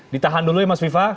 ditahan dulu ya mas viva